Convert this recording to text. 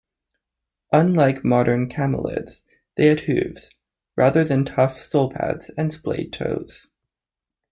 Unlike modern camelids, they had hooves, rather than tough sole-pads and splayed toes.